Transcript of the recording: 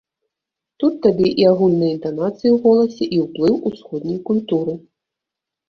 Тут табе і агульныя інтанацыі ў голасе, і ўплыў усходняй культуры.